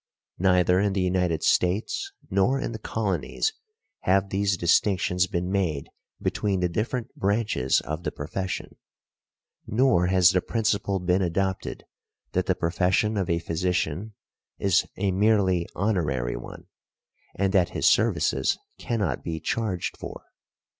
Neither in the United States nor in the Colonies have these distinctions been made between the different branches of the profession, nor has the principle been adopted that the profession of a physician is a merely honorary one, and that his services cannot be charged for .